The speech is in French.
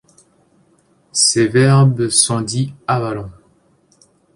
Ces verbes sont dits avalents.